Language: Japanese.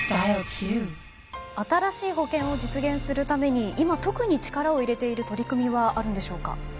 新しい保険を実現するために今特に力を入れている取り組みはあるんでしょうか？